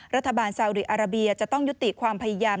รัฐบาลสาอุดีอาราเบียร์จะต้องยุติความพยายาม